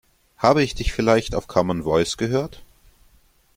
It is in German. Habe ich dich vielleicht auf Common Voice gehört?